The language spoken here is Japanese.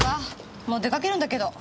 もう出かけるんだけど。